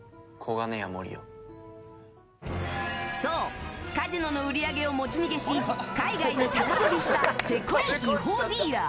そう、カジノの売り上げを持ち逃げし海外に高飛びしたせこい違法ディーラー